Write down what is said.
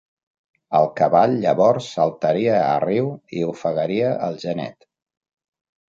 El cavall llavors saltaria a riu i ofegaria el genet.